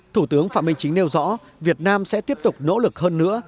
thủ tướng phạm minh chính nêu rõ việt nam sẽ tiếp tục nỗ lực hơn nữa